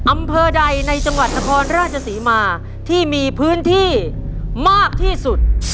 อำเภอใดในจังหวัดนครราชศรีมาที่มีพื้นที่มากที่สุด